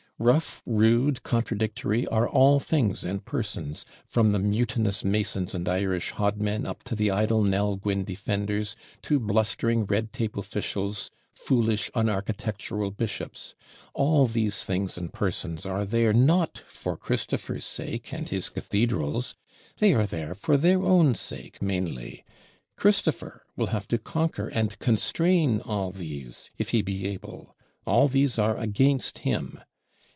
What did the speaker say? Rough, rude, contradictory, are all things and persons, from the mutinous masons and Irish hodmen up to the idle Nell Gwynn Defenders, to blustering red tape Officials, foolish unarchitectural Bishops. All these things and persons are there not for Christopher's sake and his Cathedral's; they are there for their own sake mainly! Christopher will have to conquer and constrain all these, if he be able. All these are against him.